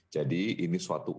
jadi ini suatu konsep